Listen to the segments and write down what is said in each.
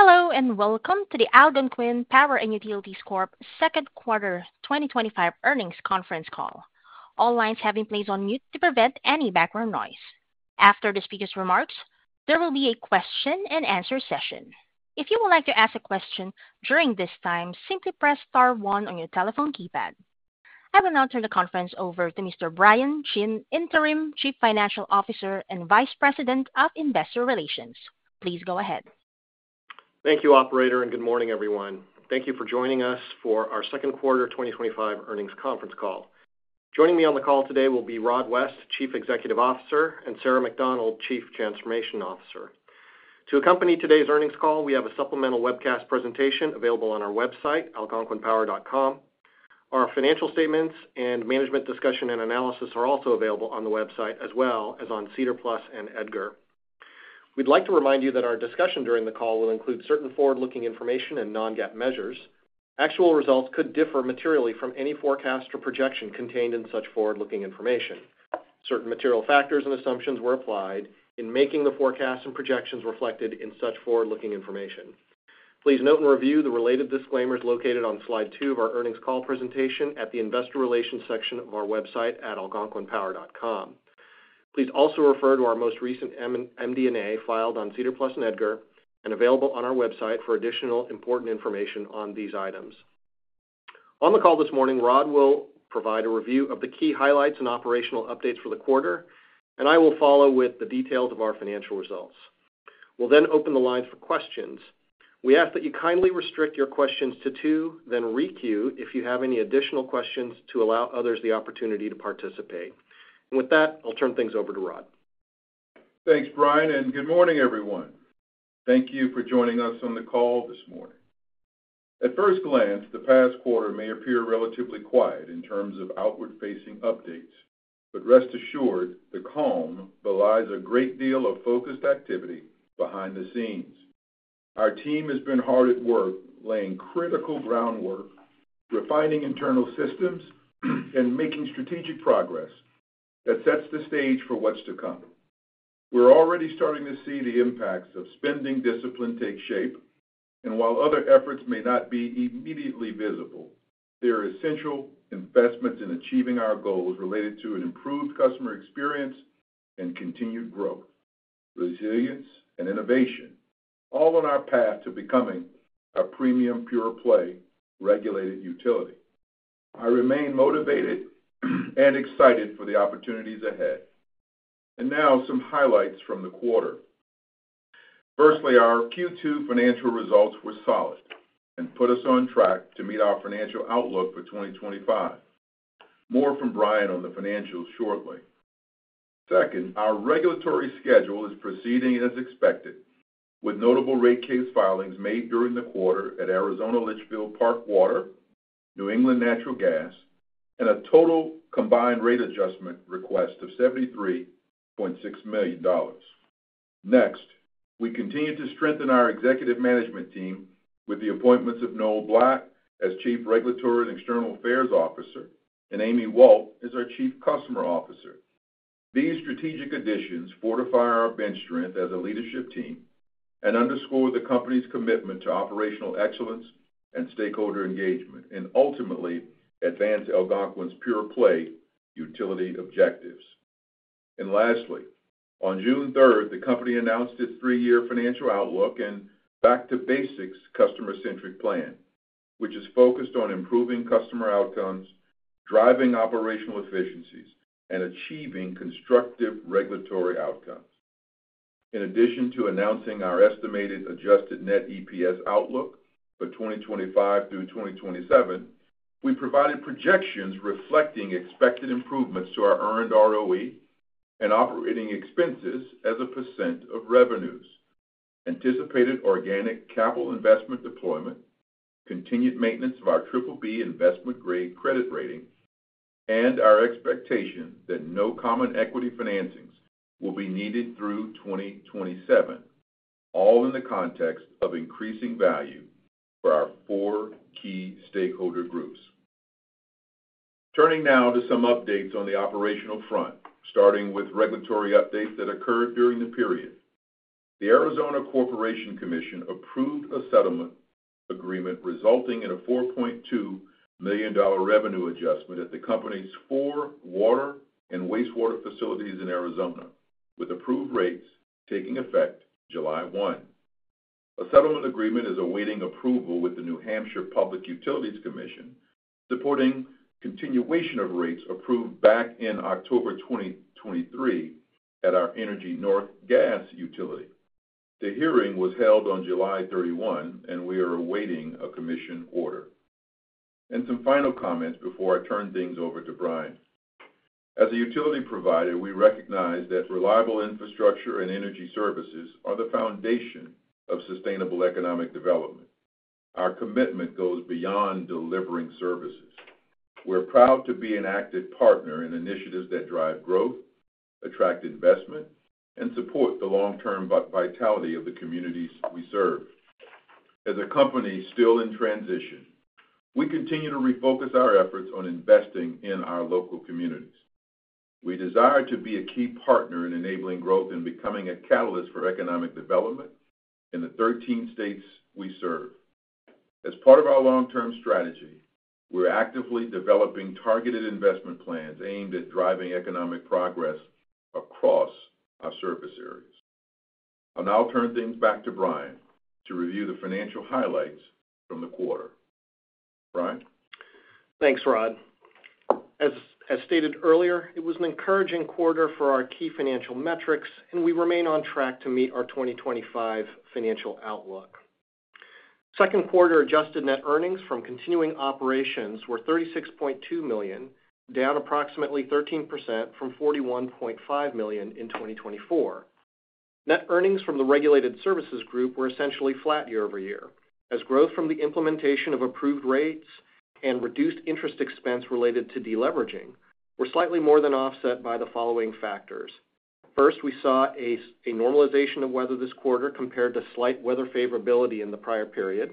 Hello and welcome to the Algonquin Power & Utilities Corp. Second Quarter 2025 Earnings Conference Call. All lines have been placed on mute to prevent any background noise. After the speaker's remarks, there will be a question and answer session. If you would like to ask a question during this time, simply press star one on your telephone keypad. I will now turn the conference over to Mr. Brian Chin, Interim Chief Financial Officer and Vice President of Investor Relations. Please go ahead. Thank you, Operator, and good morning, everyone. Thank you for joining us for our second quarter 2025 earnings conference call. Joining me on the call today will be Rod West, Chief Executive Officer, and Sarah MacDonald, Chief Transformation Officer. To accompany today's earnings call, we have a supplemental webcast presentation available on our website, algonquinpower.com. Our financial statements and management discussion and analysis are also available on the website, as well as on SEDAR+ and EDGAR. We'd like to remind you that our discussion during the call will include certain forward-looking information and non-GAAP measures. Actual results could differ materially from any forecast or projection contained in such forward-looking information. Certain material factors and assumptions were applied in making the forecast and projections reflected in such forward-looking information. Please note and review the related disclaimers located on slide two of our earnings call presentation at the Investor Relations section of our website at algonquinpower.com. Please also refer to our most recent MD&A filed on SEDAR+ and EDGAR and available on our website for additional important information on these items. On the call this morning, Rod will provide a review of the key highlights and operational updates for the quarter, and I will follow with the details of our financial results. We'll then open the lines for questions. We ask that you kindly restrict your questions to two, then re-queue if you have any additional questions to allow others the opportunity to participate. With that, I'll turn things over to Rod. Thanks, Brian, and good morning, everyone. Thank you for joining us on the call this morning. At first glance, the past quarter may appear relatively quiet in terms of outward-facing updates, but rest assured, the calm belies a great deal of focused activity behind the scenes. Our team has been hard at work laying critical groundwork, refining internal systems, and making strategic progress that sets the stage for what's to come. We're already starting to see the impacts of spending discipline take shape, and while other efforts may not be immediately visible, they are essential investments in achieving our goals related to an improved customer experience and continued growth, resilience, and innovation, all on our path to becoming a premium pure-play regulated utility. I remain motivated and excited for the opportunities ahead. Now, some highlights from the quarter. Firstly, our Q2 financial results were solid and put us on track to meet our financial outlook for 2025. More from Brian on the financials shortly. Second, our regulatory schedule is proceeding as expected, with notable rate case filings made during the quarter at Arizona Litchfield Park Water, New England Natural Gas, and a total combined rate adjustment request of $73.6 million. Next, we continue to strengthen our executive management team with the appointments of Noel Black as Chief Regulatory and External Affairs Officer and Amy Walt as our Chief Customer Officer. These strategic additions fortify our bench strength as a leadership team and underscore the company's commitment to operational excellence and stakeholder engagement, and ultimately advance Algonquin's pure-play utility objectives. Lastly, on June 3rd, the company announced its three-year financial outlook and back-to-basics customer-centric plan, which is focused on improving customer outcomes, driving operational efficiencies, and achieving constructive regulatory outcomes. In addition to announcing our estimated adjusted net EPS outlook for 2025 through 2027, we provided projections reflecting expected improvements to our earned ROE and operating expenses as a percent of revenues, anticipated organic capital investment deployment, continued maintenance of our triple B investment-grade credit rating, and our expectation that no common equity financings will be needed through 2027, all in the context of increasing value for our four key stakeholder groups. Turning now to some updates on the operational front, starting with regulatory updates that occurred during the period. The Arizona Corporation Commission approved a settlement agreement resulting in a $4.2 million revenue adjustment at the company's four water and wastewater facilities in Arizona, with approved rates taking effect July 1. A settlement agreement is awaiting approval with the New Hampshire Public Utilities Commission, supporting continuation of rates approved back in October 2023 at our Energy North Gas Utility. The hearing was held on July 31, and we are awaiting a commission order. Some final comments before I turn things over to Brian. As a utility provider, we recognize that reliable infrastructure and energy services are the foundation of sustainable economic development. Our commitment goes beyond delivering services. We're proud to be an active partner in initiatives that drive growth, attract investment, and support the long-term vitality of the communities we serve. As a company still in transition, we continue to refocus our efforts on investing in our local communities. We desire to be a key partner in enabling growth and becoming a catalyst for economic development in the 13 states we serve. As part of our long-term strategy, we're actively developing targeted investment plans aimed at driving economic progress across our service areas. I'll now turn things back to Brian to review the financial highlights from the quarter. Brian? Thanks, Rod. As stated earlier, it was an encouraging quarter for our key financial metrics, and we remain on track to meet our 2025 financial outlook. Second quarter adjusted net earnings from continuing operations were $36.2 million, down approximately 13% from $41.5 million in 2024. Net earnings from the regulated services group were essentially flat year-over-year, as growth from the implementation of approved rates and reduced interest expense related to deleveraging were slightly more than offset by the following factors. First, we saw a normalization of weather this quarter compared to slight weather favorability in the prior period,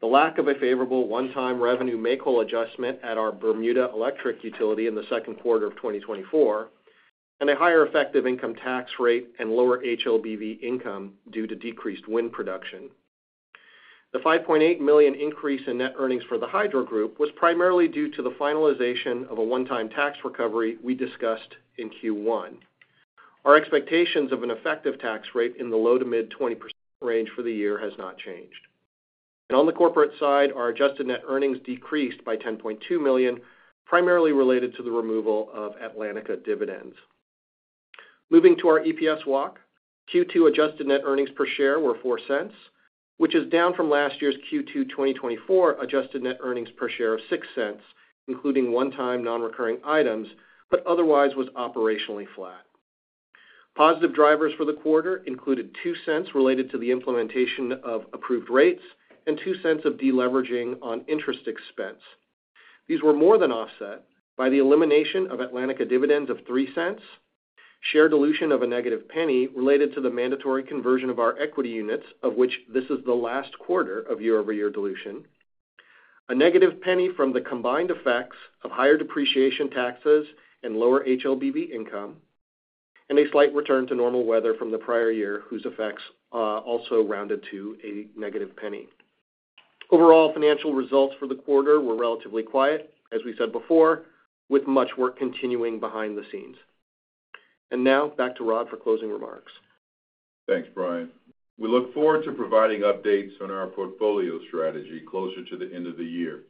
the lack of a favorable one-time revenue make-whole adjustment at our Bermuda Electric Utility in the second quarter of 2024, and a higher effective income tax rate and lower HLBV income due to decreased wind production. The $5.8 million increase in net earnings for the Hydro Group was primarily due to the finalization of a one-time tax recovery we discussed in Q1. Our expectations of an effective tax rate in the low to mid-20% range for the year have not changed. On the corporate side, our adjusted net earnings decreased by $10.2 million, primarily related to the removal of Atlantica dividends. Moving to our EPS walk, Q2 adjusted net earnings per share were $0.04, which is down from last year's Q2 2024 adjusted net earnings per share of $0.06, including one-time non-recurring items, but otherwise was operationally flat. Positive drivers for the quarter included $0.02 related to the implementation of approved rates and $0.02 of deleveraging on interest expense. These were more than offset by the elimination of Atlantica dividends of $0.03, share dilution of a negative penny related to the mandatory conversion of our equity units, of which this is the last quarter of year-over-year dilution, a negative penny from the combined effects of higher depreciation taxes and lower HLBV income, and a slight return to normal weather from the prior year, whose effects also rounded to a negative penny. Overall, financial results for the quarter were relatively quiet, as we said before, with much work continuing behind the scenes. Now, back to Rod for closing remarks. Thanks, Brian. We look forward to providing updates on our portfolio strategy closer to the end of the year.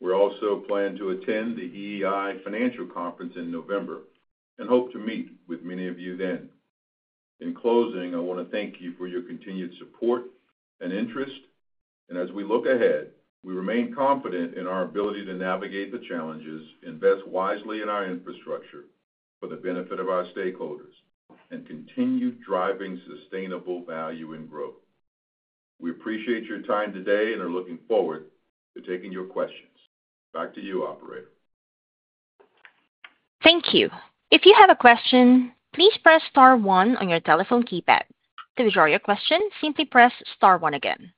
We also plan to attend the EEI Financial Conference in November and hope to meet with many of you then. In closing, I want to thank you for your continued support and interest. As we look ahead, we remain confident in our ability to navigate the challenges, invest wisely in our infrastructure for the benefit of our stakeholders, and continue driving sustainable value and growth. We appreciate your time today and are looking forward to taking your questions. Back to you, Operator. Thank you. If you have a question, please press star one on your telephone keypad. To withdraw your question, simply press star one again.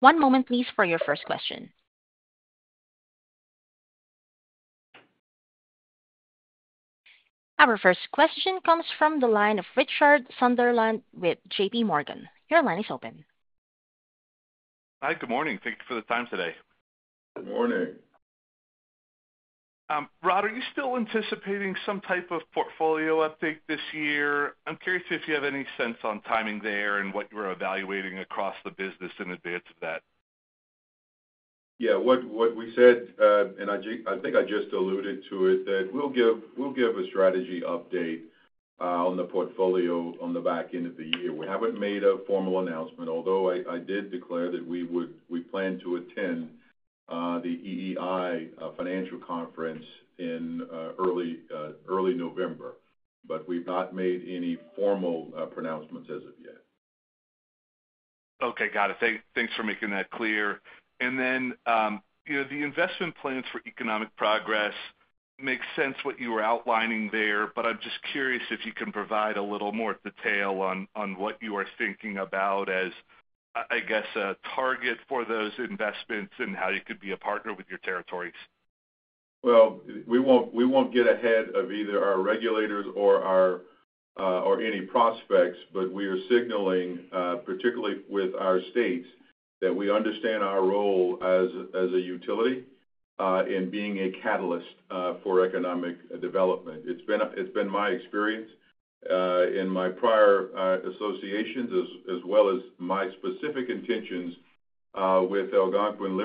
One moment, please, for your first question. Our first question comes from the line of Richard Sunderland with JPMorgan. Your line is open. Hi, good morning. Thank you for the time today. Good morning. Rod, are you still anticipating some type of portfolio update this year? I'm curious if you have any sense on timing there and what you're evaluating across the business in advance of that. Yeah, what we said, and I think I just alluded to it, we'll give a strategy update on the portfolio on the back end of the year. We haven't made a formal announcement, although I did declare that we would plan to attend the EEI Financial Conference in early November, but we've not made any formal pronouncements as of yet. Okay, got it. Thanks for making that clear. The investment plans for economic progress make sense, what you were outlining there, but I'm just curious if you can provide a little more detail on what you are thinking about as, I guess, a target for those investments and how you could be a partner with your territories. We won't get ahead of either our regulators or any prospects, but we are signaling, particularly with our states, that we understand our role as a utility in being a catalyst for economic development. It's been my experience in my prior associations, as well as my specific intentions with Algonquin,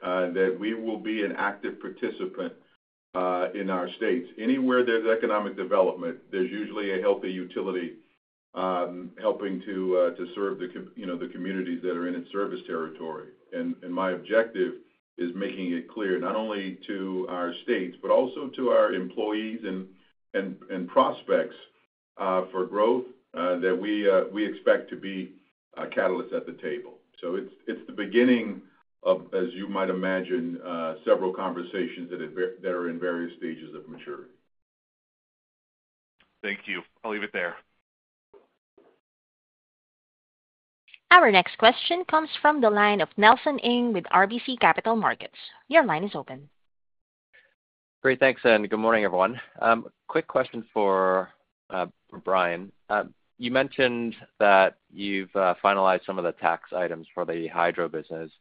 that we will be an active participant in our states. Anywhere there's economic development, there's usually a healthy utility helping to serve the community that are in its service territory. My objective is making it clear, not only to our states, but also to our employees and prospects for growth, that we expect to be catalysts at the table. It's the beginning of, as you might imagine, several conversations that are in various stages of maturity. Thank you. I'll leave it there. Our next question comes from the line of Nelson Ng with RBC Capital Markets. Your line is open. Great, thanks, and good morning, everyone. Quick question for Brian. You mentioned that you've finalized some of the tax items for the Hydro business,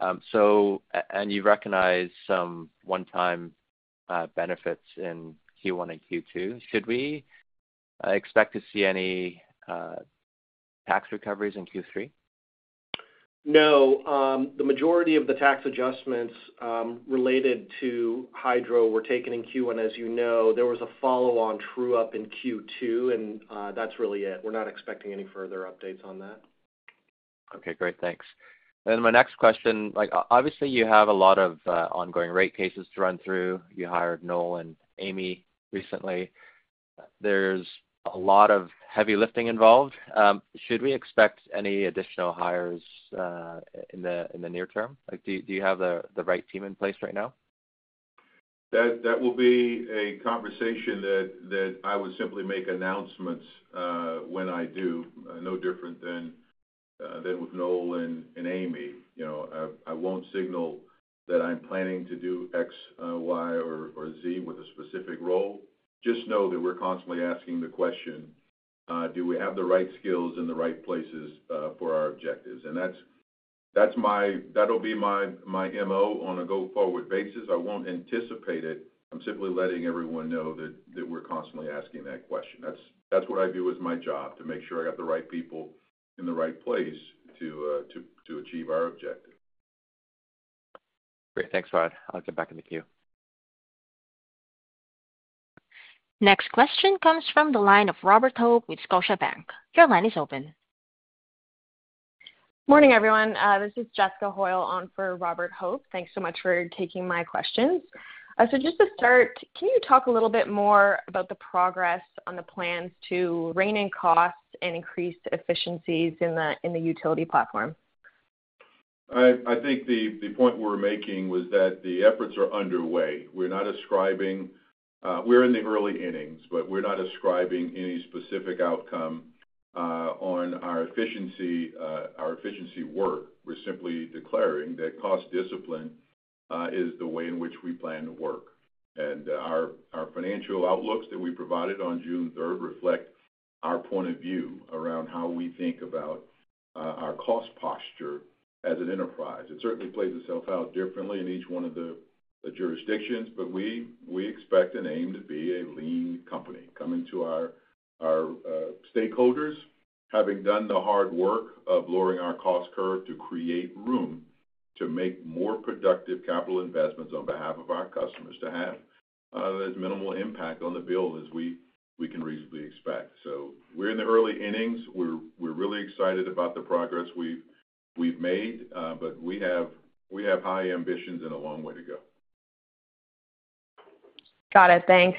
and you've recognized some one-time benefits in Q1 and Q2. Should we expect to see any tax recoveries in Q3? No. The majority of the tax adjustments related to Hydro were taken in Q1. As you know, there was a follow-on true-up in Q2, and that's really it. We're not expecting any further updates on that. Okay, great, thanks. My next question, obviously, you have a lot of ongoing rate cases to run through. You hired Noel and Amy recently. There's a lot of heavy lifting involved. Should we expect any additional hires in the near term? Do you have the right team in place right now? That will be a conversation that I will simply make announcements when I do, no different than with Noel and Amy. I won't signal that I'm planning to do X, Y, or Z with a specific role. Just know that we're constantly asking the question, do we have the right skills in the right places for our objectives? That'll be my MO on a go-forward basis. I won't anticipate it. I'm simply letting everyone know that we're constantly asking that question. That's what I view as my job, to make sure I got the right people in the right place to achieve our objective. Great, thanks, Rod. I'll get back in the queue. Next question comes from the line of Robert Hope with Scotiabank. Your line is open. Morning, everyone. This is Jessica Hoyle on for Robert Hope. Thanks so much for taking my questions. Just to start, can you talk a little bit more about the progress on the plans to rein in costs and increase efficiencies in the utility platform? I think the point we're making was that the efforts are underway. We're not ascribing, we're in the early innings, but we're not ascribing any specific outcome on our efficiency work. We're simply declaring that cost discipline is the way in which we plan to work. Our financial outlooks that we provided on June 3rd reflect our point of view around how we think about our cost posture as an enterprise. It certainly plays itself out differently in each one of the jurisdictions, but we expect and aim to be a lean company. Coming to our stakeholders, having done the hard work of lowering our cost curve to create room to make more productive capital investments on behalf of our customers to have as minimal impact on the bill as we can reasonably expect. We're in the early innings. We're really excited about the progress we've made, but we have high ambitions and a long way to go. Got it, thanks.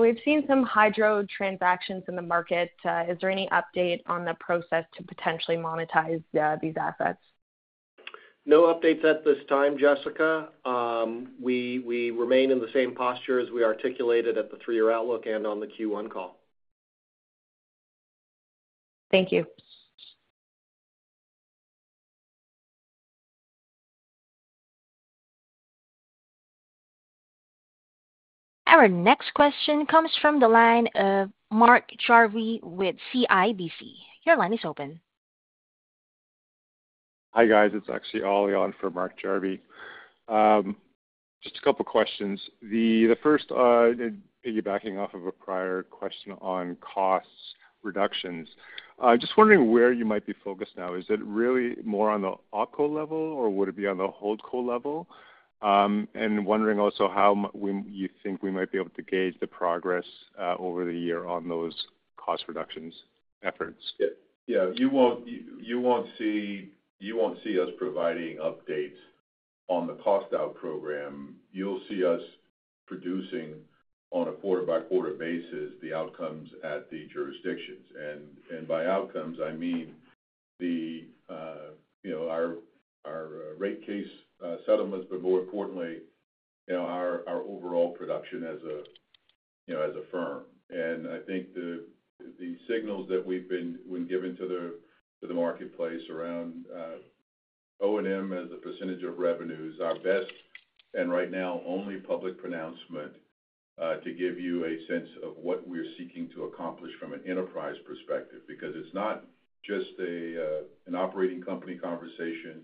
We've seen some Hydro transactions in the market. Is there any update on the process to potentially monetize these assets? No updates at this time, Jessica. We remain in the same posture as we articulated at the three-year outlook and on the Q1 call. Thank you. Our next question comes from the line of Mark Jarvi with CIBC. Your line is open. Hi guys, it's actually Ali on for Mark Jarvi. Just a couple of questions. The first, piggybacking off of a prior question on cost reductions, just wondering where you might be focused now. Is it really more on the OpCo level, or would it be on the HoldCo level? Also wondering how you think we might be able to gauge the progress over the year on those cost reductions efforts. Yeah, you won't see us providing updates on the cost-out program. You'll see us producing on a quarter-by-quarter basis the outcomes at the jurisdictions. By outcomes, I mean our rate case settlements report, accordingly, you know our overall production as a, you know, as a firm. I think the signals that we've been given to the marketplace around O&M as a percentage of revenues are our best, and right now only public pronouncement to give you a sense of what we're seeking to accomplish from an enterprise perspective, because it's not just an operating company conversation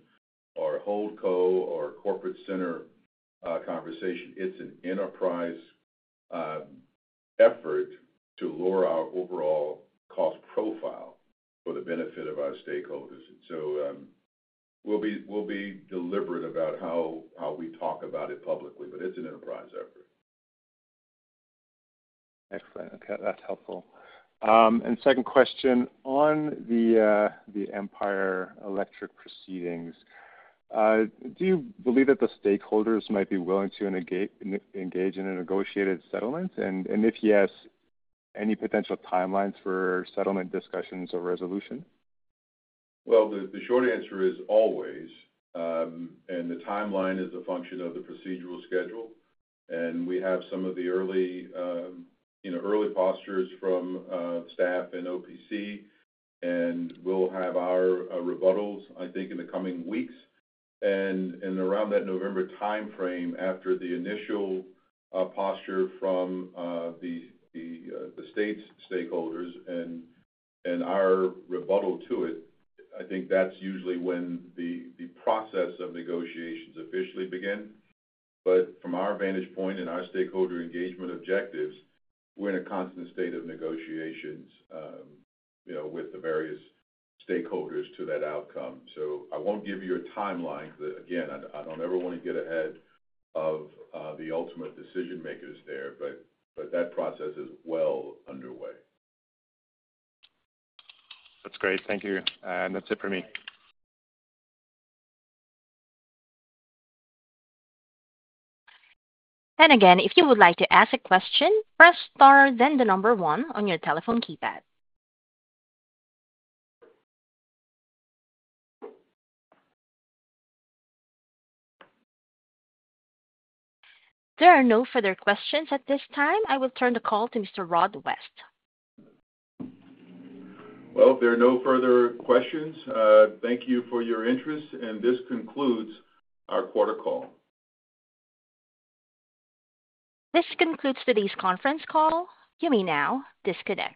or a HoldCo or a corporate center conversation. It's an enterprise effort to lower our overall cost profile for the benefit of our stakeholders. We'll be deliberate about how we talk about it publicly, but it is an enterprise effort. Excellent. Okay, that's helpful. Second question, on the Empire Electric proceedings, do you believe that the stakeholders might be willing to engage in a negotiated settlement? If yes, any potential timelines for settlement discussions or resolution? The short answer is always, and the timeline is a function of the procedural schedule. We have some of the early postures from staff and OPC, and we'll have our rebuttals, I think, in the coming weeks. Around that November timeframe, after the initial posture from the state's stakeholders and our rebuttal to it, I think that's usually when the process of negotiations officially begins. From our vantage point and our stakeholder engagement objectives, we're in a constant state of negotiations with the various stakeholders to that outcome. I won't give you a timeline because, again, I don't ever want to get ahead of the ultimate decision makers there, but that process is well underway. That's great. Thank you. That's it for me. If you would like to ask a question, press star, then the number one on your telephone keypad. There are no further questions at this time. I will turn the call to Mr. Rod West. Thank you for your interest, and this concludes our quarter call. This concludes today's conference call. You may now disconnect.